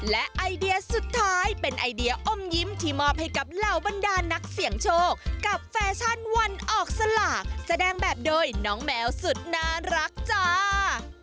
และไอเดียสุดท้ายเป็นไอเดียอมยิ้มที่มอบให้กับเหล่าบรรดานักเสี่ยงโชคกับแฟชั่นวันออกสลากแสดงแบบโดยน้องแมวสุดน่ารักจ้า